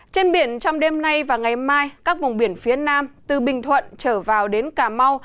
trên biển trong đêm nay và ngày mai các vùng biển phía nam từ bình thuận trở vào đến cà mau